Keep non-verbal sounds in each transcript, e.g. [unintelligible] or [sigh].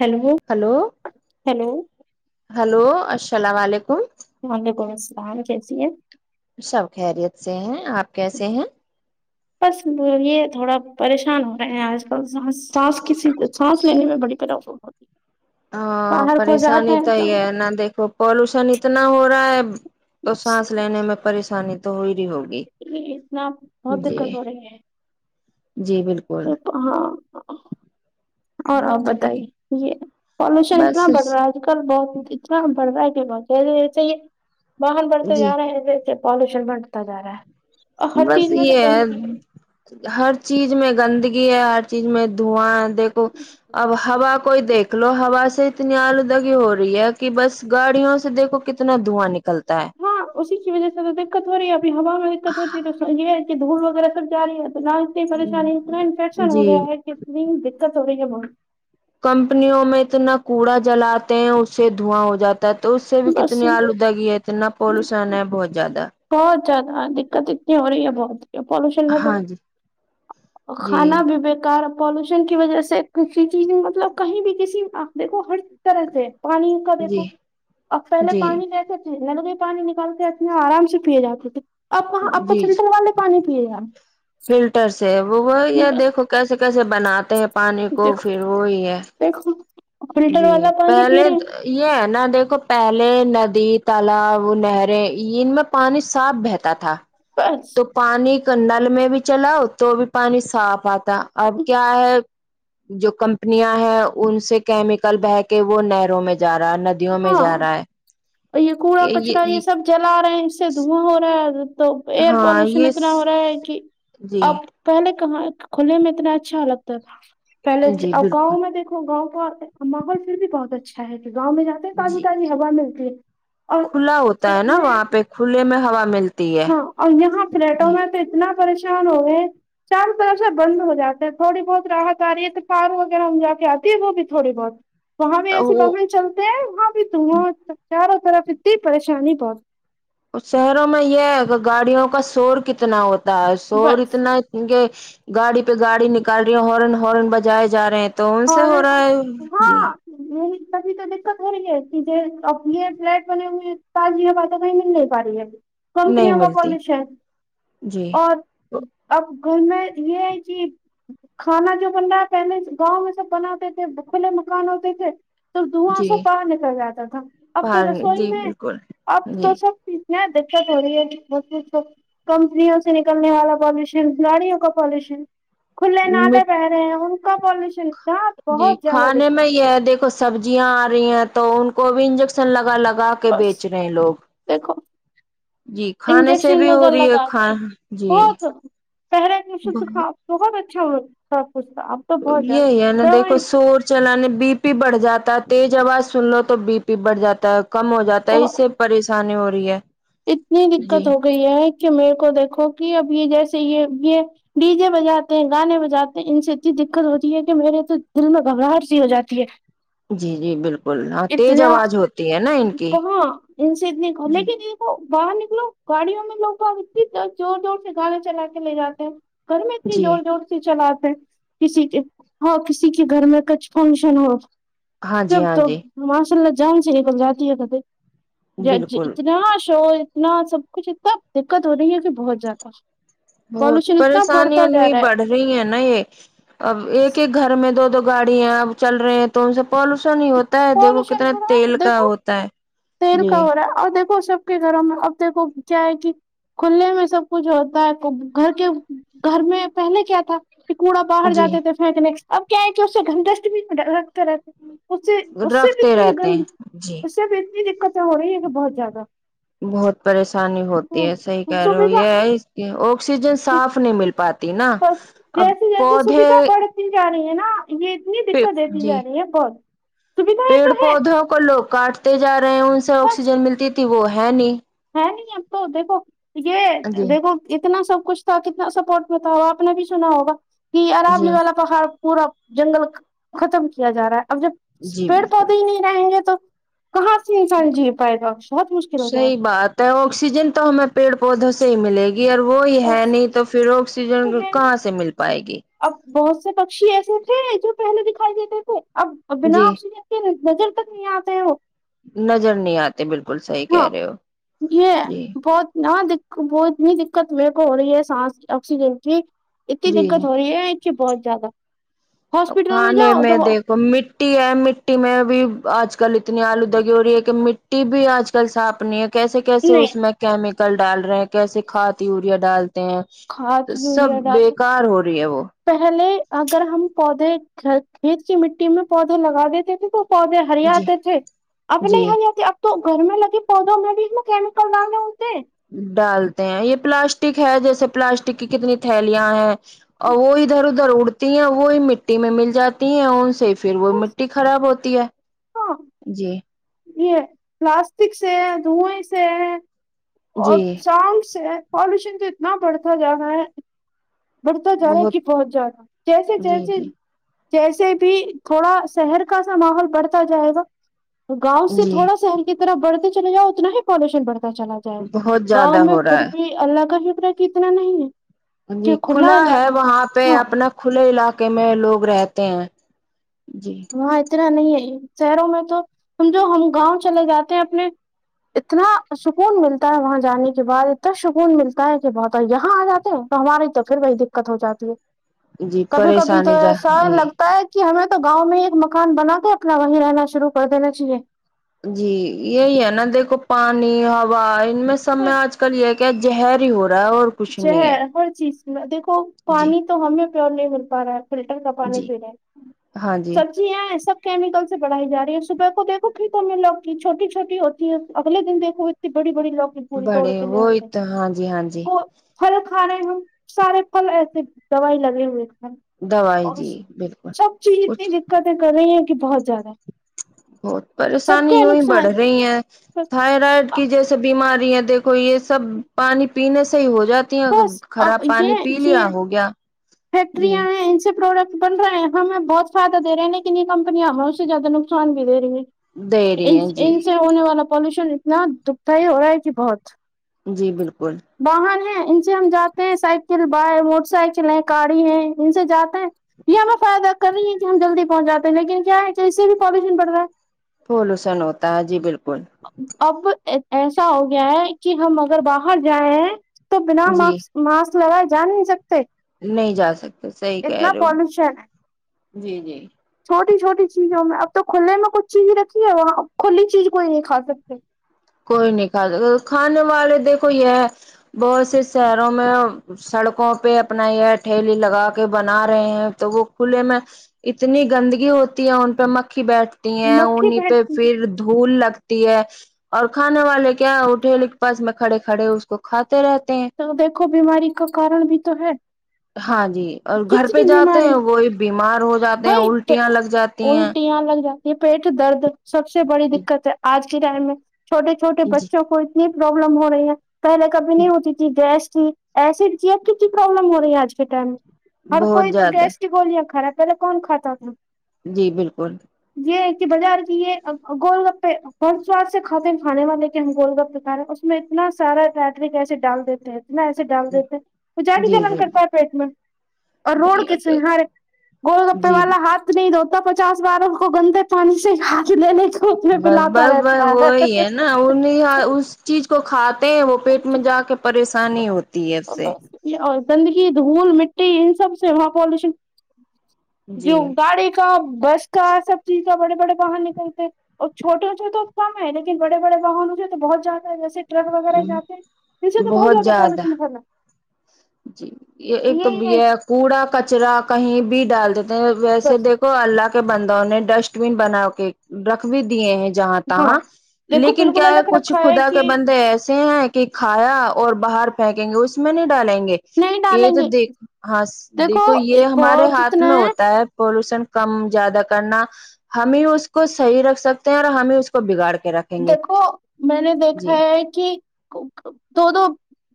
hello hello hello hello السلام ععلیکم وعلیکم السلام کیسی ہیں سب خیریت سے ہیں آپ کیسے ہیں بس ب یہ تھوڑا پریشان ہو رہے ہیں آج کل س سانس کسی سے سانس لینے میں بڑی پرابلم ہوتی ہے ہاں پریشانی تو ہی ہے نہا دیکھو پالوشن اتنا ہو رہا ہے تو بس سانس لینے میں پریشانی تو ہو ہی رہی ہوگی اتنا بہت جی دقت ہو رہی ہے جی بالکل ہاں اور آپ بتائیے یہ پالوشن بس اتنا بڑھ رہا ہے آج کل بہت اتنا بڑھ رہا ہے کہ بہت زیادہ ایسے یہ واہن بڑھتے جی جا رہے ہیں جیسے پالوشن بنٹتا جا رہا ہے اور ہر چیز بس میں تو یہ ہے گندگی ہر چیز میں گندگی ہے ہر چیز میں دھواں ہے دیکھو اب ہوا کوئی دیکھ لو ہوا سے اتنی آلودگی ہو رہی ہے کہ بس گاڑیوں سے دیکھو کتنی اتنا دھواں نکلتا ہے ہاں اسی کی وجہ سے تو دقت ہو رہی ہے ابھی ہوا میں دقت ہوتی ہے تو یہ ہے کہ دھول وغیرہ سب جای ہے تو نہ اتنی پریشانی ہے اتنا انفیکشن ہو جی گیا ہے کتنی دقت ہو رہی ہے م کمپنیوں میں اتنا کوڑا جلاتے ہیں اس سے دھواں ہو جاتا تو اس سے بھی بس کتنی آلودگی ہے اتنا پالوشن ہے بہت زیادہ بہت زیادہ دقت اتنی ہو رہی ہے بہت پالوشن ہے ہاں تو جی جی کھانا بھی بیکار پالوشن کی وجہ سے کسی چیز مطلب کہیں بھی کسی آپ دیکھو ہر طرح سے پانی جی دیکھو اب پہلے جی پانی پس تھے ل لوگ یہ پانی نکال کے اتنے آرام سے پیے جاتے تھے اپاں آپ کو جی جی فلٹر والے پانی پیے جا فلٹر سے وہ وہی ہیں، ہے بس دیکھو کیسے کیسے بناتے ہیں پانی کو دیکھو پھر وہی ہے دیکھو فلٹر جی والا پانی پی پہلے رہے ہیں یہ ہے نا دیکھو پہلے ندی تالاب نہریں ان میں پانی صاف بہتا تھا پچ تو پانی کنڈل میں بھی چلاؤ تو بھی پانی صاف آتا اب کیا ہے جو کمپنیاں ہیں ان سے کیمیکل بہ کے وہ نہروں میں جا رہا ہے ند ہاں اور یہ کوڑا کچرا یہ سب جلا رہے ہیں اس سے دھواں ہو رہا ہے تو ایئر ہاں پولوشن یہ اتنا ہو رہا ہے کہ جی اب پہلے کہاں کھلنے میں اتنا اچھا لگتا تھا پہلے جی بالکل گاؤں میں گاؤں کا ماحول پھر بھی بہت اچھا ہے کہ گاؤں میں جاتے ہیں تازی جی تازی ہوا ملتی ہے اور کھلا ہوتا ہے نا وہاں پہ کھلے میں ہوا ملتی ہے ہاں اور یہاں فلیٹوں جی میں اتنا پریشان ہو گئے چار طر سے بند ہو جاتے ہیں تھوڑی بہت راحت آ رہی ہے تو فارو وغیرہ ہم جا کے آتی ہے وہ بھی تھوڑی بہت وہاں بھی ایسی وہ بہیں چلتے ہیں وہاں بھی تو وہاں چاروں طرف اتنی پریشانی بہت شہروں میں یہ ہے کہ گاڑیوں کا شور کتنا ہوتا ہے شور بس اتنا کیہ گاڑی پہ گاڑی نکال رہی ہے ہارن ہارن بجائے جا رہے ہیں تون سے ہو رہا ہے جی نہیں کبھی تو دقت ہے ہے کہ ا یہ فلیٹ بنے ہوئے ہیں پج ج پ تو کہیں مل رہ آ رہی ہے ابھی نہیں کمپنیوں کا ملتی پالش ہے جی اور اب گھر میں یہ ہے کہ کھانا جو بن رہا ہے پہلے گاؤں میں سب بناتے تھے کھلے مکان ہوتے تھے تو دھواں جی سے باہر نکل جاتا تھا اب تو باہر رسوئی جی میں بالکل اب تو جی سب دیکا گڑی ہے مسب سب [inaudible] کمپنیوں سے نکلنے والا پالوشن کھلاڑیوں کا پالوشن کھلے نادے پہ رہے ہیں ان کا پالوشن جی بہت زیادہ کھانے میں دقت یہ دیکھو سبزیاں آ رہی ہیں تو ان کو بھی انجیکشن لگا لگا لگا ہے کے بس بیچ رہے ہیں لوگ دیکھو جی کھانے سے انجیکشن بھی لگا ہو رہی ہے لگا کے کھا جی بت پہرے شھ کا بہت اچھا ہو سب کچھ اب تو بہت جد چلان بی پی بڑھ جاتا ہے تیز آواز سن لو تو بی پی بڑھ جاتا ہے کم ہو جات جاتا ہے اس بہت سے پریشانی ہو رہی ہے اتنی جی دقت ہو گئی ہے کہ میرے کو دیکھو کہ اب یہ جیسے یہ یہ ڈیجے بجاتے ہیں گانے بجاتے ہیں ان سے اتنی دقت ہوتی ہے کہ میرے تو دل میں گھبراہٹ سی ہو جاتی ہے جی جی بالکل ہاں تیز اتنا آواز ہوتی ہے نا ان کی کہاں ان سے اتنی ک لے جی کی نہیں باہر نکلو گاڑیوں میں لوگ زور زور سے گانے چلا کے لے جاتے ہیں گھر میں اتنی جی جوور جوور چلاتے ہیں کسی کے ہاں کسی کے گھر میں کچھ فنکشن ہو ہاں جی جب ہاں تو جی ماشاء اللہ جان سے نکل جاتی ہے کتےیں بالکل اتنا شور اتنا سب کچھ اتنا دقت ہو رہی ہے کہ بہت زیادہ ہو پالوشن اتنا بڑھتا پریشانیاں جا نہیں رہا بڑھ ہے رہی ہیں نا یہ [unintelligible] اب ایک ایک گھر میں دو دو گاڑی ہیں اب چل رہے ہیں تو ان سے پالوشن ہی ہوتا ہوتا ہے دیکھو پالوشن کتنا ہو رہا ہے تیل کا دیکھو ہوتا ہے تیل جی کا ہو رہا ہے اور دیکو سب کے گھروں میں اب دیکھو کیا ہے کہ کھے میں سب کچھ ہوتا ہے گھر کے گھر میں پہلے کیا تھا کوڑا باہر جی جاتے تھے پھینکنے اب کیا ہے کہ اس سے گھٹسٹ بھی میں ڈکھتے رہتے اس سے اس سے رکھتے بھیتنی ہے رہتے گل ہیں جی اس سے بھی اتنی دقت تو ہو رہی ہےگ بہت زیاد بہت پریشانی ہوتی ہے صحیح کہہ رہے ہو سویدھا یہ آکسیجن صاف نہیں مل پاتا ت نا اب جیسے جیسے پودے سویدھا بڑھتی جا رہی ہے نا یہ اتنی پ دقت دیتی جی جا [unintelligible] رہی ہے بہت سویدھائیں پیڑ تو ہے پودوں کو لوگ کاٹتے جا رہے ہیں ان سے بس آکسیجن ملتی تھی وہ ہے نہیں ہے نہیں اب تو دیکھو یہ جی دیکھو اتنا سب کچھ تھا کتنا سپورٹ میں تھا ہو اپپ نے بھی سنا ہوگا کہ عراب جی لی والا تو ہر پورا جنگل ختم کیا جا رہا ہے اب جب جی پیڑ بالکل پودے ہی نہیں رہیں گے تو کہاں سے انسان جی پائے گا بہت مشکل ہو جائے گا صحیح بات ہے آکسیجن تو ہمیں پیڑ پودوں سے ہی ملے گی وہی گا ہے بس نہیں تو پھر کوئی آکسیجن ہے نہیں کہاں سے مل پائے گی اب بہت سے پکشی ایسے تھے جو پہلے دکھائی دیتے تھے اب بنا جی آپ بجر تک نہیں آتے ہو [unintelligible] نظر نہیں آتی بالکل سح [unintelligible] ہاں یہ بہت نہ وہ اتنی دقت میرے کو ہو رہی ہے سانس آکسیجن کی اتنی جی جی دقت ہو رہی ہے چھ بہت زیادہ تو ہاسپٹل کھانے جاؤ تو میں وہ دیکھ مٹی ہے مٹی میں بھی آج کل اتنی آلودگی ہو رہی ہے کہ مٹی بھی آج کل صاف نہیں ہے کیسے کیسے اس نہیں میں کیمیکل ڈال رہے ہیں کیسے کھاد یوریا ڈالتے ہیں کھاد تو سب یوریا ڈالو بیکار ہو رہی ہے وہ پہلے اگر ہم پودے کھیت کی مٹی میں پودے لگا دیتے تھے تو پودے جی ہریاتے تھے اب نہیں جی ہریاتے اب تو گھر میں لگے پودوں میں بھی اس میں کیمیکل ڈالے ہوتے ہیں ڈالتے ہیں یہ پلاسٹک ہے جیسے پلاسٹک کی کتنی تھیلیاں ہیں اور وہ ادھر ادھر در اڑتی ہیں وہی مٹی میں مل جاتی ہیں ان سے پھر وہ بس مٹی خراب ہوتی ہے ہاں جی یہ پلاسٹک سے ہے دھوئیں سے ہے اور جی ساؤنڈ سے پالوشن تو اتنا بڑھتا جا رہا ہے [unintelligible] بڑھتا جا رہا ہے بہت کہ پہنچ جاا جیسے جی جیسے جی جیسے بھی تھوڑا شہر کا سا ماحول بڑھتا جائے گا گاؤں سے جی تھوڑا شہر کی طرف بڑھتے چلے جؤ اتنا ہی پالوشن بڑھتا چلا بہت زیادہ گاؤں میں ہو رہا پھر بھی اللہ کا شکر ہے کہ اتنا نہیں ہے جی کہ کھلا ہے علاقہ وہاں پہ ہاں اپنا کھلے علاقے میں لوگ رہتے ہیں جی وہاں اتنا نہیں ہے شہروں میں تو ہم جو ہم گاؤں چلے جاتے ہیں اپنے اتنا سکون ملتا ہے وہاں جانے کے بعد اتنا سکون ملتا ہے کہ بہت یہاں آ جاتے ہیں تو ہماری تو پھر وہی دقت ہو جاتی ہے جی کبھی کبھی تو پریشانی جا ایسا جی لگ تا ہے کہ ہمیں تو گاؤں میں ایک مکان بنا کے اپنا وہیں رہنا شروع کر دینا چاہیے جی یہی ہے نا دیکھو پانی ہا ان میں سب میں بس آج کل کل یہ کیا ہر ہی ہو رہا ہے اور ا کچھ جو ہے نہیں ہر چیز دیکھو جی پانی تو ہمیں پیور نہیں مل پا رہا ہے فلٹر کپانے جی کے لیے سب جی یہاں سب کیمیکل سے بڑھائی جا رہی ہے صبح کو دھو کھیتوں میں لوگ کی چھوٹی چھوٹی ہوتی ہے اگے دن دیکھو بڑ بڑیوگ بڑے وہ ا تو ہاں جی ہاں جی وہ پھل کھانے میں سارے پھل ایسے دوائی لگے ہوئے تھ دوائی اور جی بالکل سب چیز اتنی کچھ دقتیں کر رہی ہیں کہ بہت زیادہ بہت سب پریشانی کا یوں ہی بڑھ نقصان رہی ہے تھائرائڈ کی جیسے بیماری ہے دیکھو یہ سب پانی پینے سے ہی ہو جاتا بس ا یہ یہ گیا جی فیکٹریاں ہیں ان سے پروڈکٹ بن رہے ہیں ہمیں بہت فائدہ دے رہے ہیں لیکن یہ کمپنیاں ہمیں اس سے زیادہ نقصان بھی دے رہی دے رہی ہیں جی ان سے ہونے والا پالوشن اتنا دکھدائی ہو رہا ہے کہ بہت جی بالکل واہن ہے ان سے ہم جاتے ہیں سائیکل بائ موٹر سائیکل ہے گاڑی ہیں ان سے جاتے ہیں یہ ہمیں فائدہ کر رہی ہیں کہ ہم جلدی پہنچاتے ہیں لیکن کیا ہے کہ اس سے بھی پالیوشن بڑ رہا ہے پولوشن ہوتا ہے جی بالکل اب ایسا ہو گیا ہے کہ ہم اگر باہر جائیں ہیں تو بنا جی مارکس ماسک لگائے جا نہیں سکتے نہیں جا سکتے صحی کہہ اتنا رہے ہو پالوشن جی جی چھوٹی چھوٹی چیزوں میں اب تو کھلے میں کچھ چیز رکھی ہے وہاں کھلی چیز کوئی نہیں کھا سکتے کوئی نہیں کھا س کھانے والے دیکھو یہ بہت سے شہروں میں سڑکوں پہ اپنا یہ ٹھیلی لگا کے بنا رہے ہیں تو وہ کھے میں اتنی گندگی ہوتی ہے ان پہ مکھی بیٹھتی ہیں مکھی انہیں پہ بیٹھتی پھر دھول لگتی ہے اور کھانے والے کیا وہ ٹل کے پاس میں کھڑے کھڑے اس کو کھاتے رہتے ہیں تو دیکھو بیماری کا کارن بھی تو ہے ہاں جی اور گھر پہ کتنی جاتے ہیں بیماری وہی بیمار ہو جاتے ہیں الٹیاں لگ جاتی ہیں یہاں لگا یہ پیٹ درد سب سے بڑی دقت ہے آج کے ٹائم میں چھوٹے چھوٹے جی بچوں کو اتنی پروابلم ہو رہی ہے پہلے کبھی نہیں ہوتی تھی گیس تھی ایسڈ کیب کی کی پربلم ہو رہی ہے آج کے ٹائم میں ہر کوئی بہت تو زیادہ گیس کی گولیاں خراب پہے کون کات تھا جی بالکل یہ کہ بازار کی یہ گول گپہ بہت سواد سے کھاتے ہیں کھانے والے کے ہم گول گپ پے کا رہے ہیں اور اس میں اتنا سارا رٹر کیسے ڈال دیتے ہیں اتنا ایسے ڈال دیتے ہیں وہ جاڑ جی جنن کرتا ہے پیٹ میں اور جی روڈ کے سہار گول گپے جی والا ہاتھ نہیں دھوتا پچاس باروں کو گندے پانی سے ہاتھ لینے کا بس بس بس وہی ہے نا انیں اس چیز کو کھاتے ہیں وہ پیٹ میں جا کے پریشانی ہوتی ہے ا سے بس اور گندگی دھول مٹی ان سب سے وہاں پالوشن جو جی گاڑی کا بس کا سب چیز کا بڑے بڑے باہر نکلتے اور چھٹےوں سےے تو کم ہے لیکن بڑے بڑے واہنوں سے تو بہت زیادہ ہے جیسے ٹک وغیرہ جات جسے تو بہت زیادہ پالوشن ہوھرلا جی یہ ایک تو ہے یہ کوڑا کچرا کہیں بھی ڈال دیتے ہیں ویسے بس دیکھ کو اللہ کے بندوں نے ڈسٹ بین بنا کے رکھ بھی دیے ہیں جہاں تاں ہاں دیکھو لیکن بالکل کیا الگ کچھ رکھا ہے خدا کہ کے بندے ایسے ہیں کہ کہ کھایا اور باہر پھینکیں گے اس میں نہیں ڈالیں گے نہیں یہ ڈالیں تو گے دیکھ ہاں دیکھو یہ ہمارے بہت ہاتھ اتنا میں ہوتا ہے پولوشن کم زیادہ کرنا ہم ہی اس کو صحیح رکھ سکتے ہیں اور ہمیں اس کو بگاڑ کے رکھ دیکھو میں نے دیکھا ہے کہ دو دو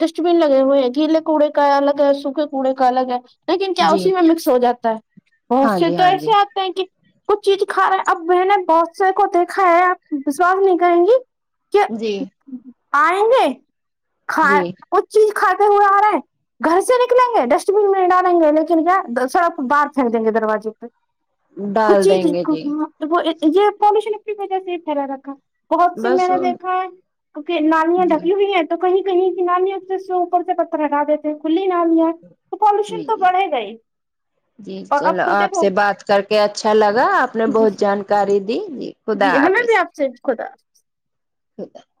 ڈسٹ بین لگے ہوئے ہیں گیلے کوڑے کا الگ ہے سوکھے کوڑے کا الگ ہے لیکن کیا جی اسی میں مکس ہو جاتا ہے بہت ہاں سے جی تو ہاں جی ایسے آ کہ کچھ چیز کھا رہے اب میں نے بہت سے کو دیکھا ہے سواس نہیں کہیں گی کیا جی آئیں گے کا جی کچھ چیز کھاتے ہوئے آ رہا ہے گھر سے نکلیں گے ڈسٹ بین میں ڈالیں گے لیکن کیا سرف باہر پھینک دیں گے دروازے پہ ڈال کچھی دیں گے جی ہ وہ یہ پالوشن اپ کی وجہ سے ھیر رہاتا بہت سی میں بس نے دیکھا ہے کیکہ نالیاں جی ڈکی ہوئی ہیں تو کہیں کہیں کی نامیں تو اس سے اوپر سے پتھر ہٹا دیتے ہیں کھلی نامیاں ش جی تو جی بڑھے گئی جی اور اب چلو تو آپ سے دیکھو بات کر کے اچھا لگا آپ نے جی بہت جانکاری دی جی خدا حافظ سپ کوودا [unintelligible]